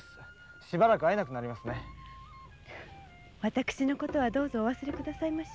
私のことはどうぞお忘れくださいまし。